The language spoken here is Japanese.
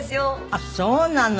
ああそうなの！